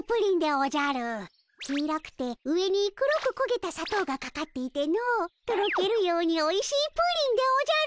黄色くて上に黒くこげたさとうがかかっていてのとろけるようにおいしいプリンでおじゃる！